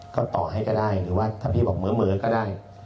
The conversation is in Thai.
ก็ต่อให้ก็ได้หรือว่าถ้าพี่บอกเหม่อก็ได้